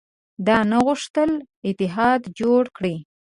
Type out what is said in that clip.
ده نه غوښتل اتحاد جوړ کړي.